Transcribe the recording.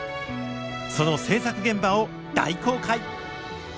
その制作現場を大公開！